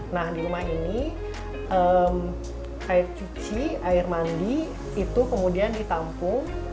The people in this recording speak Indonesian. nah di rumah ini air cuci air mandi itu kemudian ditampung